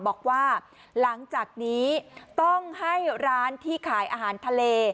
บอกว่าหลังจากนี้ต้องให้ร้านที่ขายอาหารทะเล